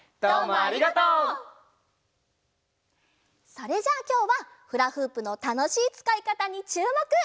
それじゃあきょうはフラフープのたのしいつかいかたにちゅうもく！